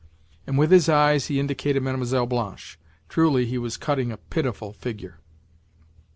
and with his eyes he indicated Mlle. Blanche. Truly he was cutting a pitiful figure!